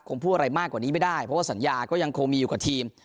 คงพูดอะไรมากกว่านี้ไม่ได้เพราะว่าสัญญาก็ยังคงมีอยู่กับทีม